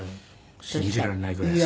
信じられないぐらいですね。